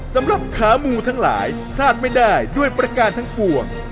สำหรับขามูทั้งหลายพลาดไม่ได้ด้วยประการทั้งปวง